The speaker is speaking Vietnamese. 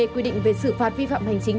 quy định về sự phạt vi phạm hành chính